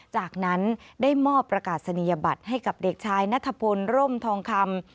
จากนั้นได้มอบประกาศนียบัตรให้กับเด็กชายนัทพลร่มทองคำ